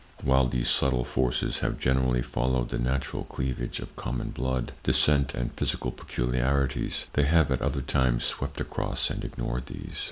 While these subtle forces have generally followed the natural cleavage of common blood, descent and physical peculiarities, they have at other times swept across and ignored these.